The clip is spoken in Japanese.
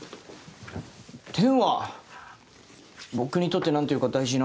てんは僕にとって何ていうか大事な。